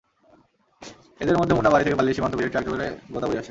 এদের মধ্যে মুন্না বাড়ি থেকে পালিয়ে সীমান্ত পেরিয়ে ট্রাকযোগে গোদাবরী আসে।